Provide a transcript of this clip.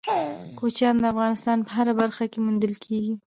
کوچیان د افغانستان په هره برخه کې موندل کېږي.